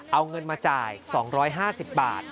เอาเงินมาจ่าย๒๕๐บาท